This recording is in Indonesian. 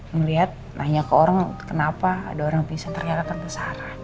ngeliat nanya ke orang kenapa ada orang pingsan ternyata kenteng sarah